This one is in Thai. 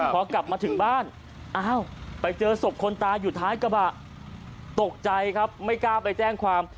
พอกลับมาถึงบ้านอ้าวไปเจอศพคนตายอยู่ท้ายกระบะตกใจครับไม่กล้าไปแจ้งความ